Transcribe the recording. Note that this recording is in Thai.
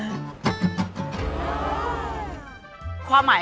รู้จักไหม